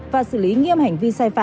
và xử lý nghiêm hành vi